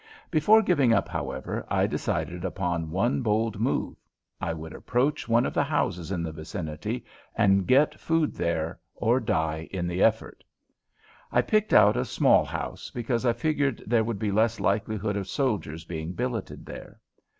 Before giving up, however, I decided upon one bold move. I would approach one of the houses in the vicinity and get food there or die in the effort! I picked out a small house, because I figured there would be less likelihood of soldiers being billeted there.